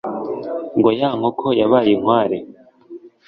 ngo ya nkoko yabaye inkware